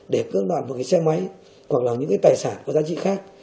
để tước đoạt một cái xe máy hoặc là những cái tài sản có giá trị khác